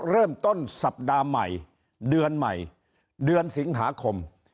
เริ่มต้นสัปดาห์ใหม่เดือนใหม่เดือนสิงหาคม